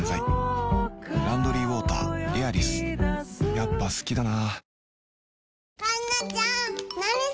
やっぱ好きだな